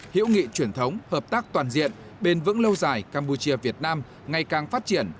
hiểu nghị truyền thống hợp tác toàn diện bền vững lâu dài campuchia việt nam ngày càng phát triển